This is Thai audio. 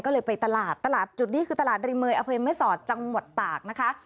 ก็เลยไปตลาดตลาดจุดนี้คือตลาดริเมย์อำเภอแม่สอดจังหวัดตากนะคะ